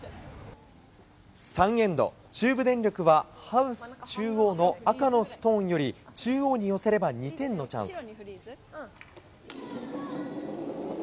３エンド、中部電力はハウス中央の赤のストーンより中央に寄せれば２点のチャンス。